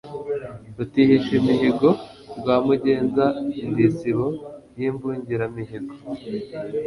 Rutihishimihigo rwa MugenzaNdi isibo y' imbungiramihigo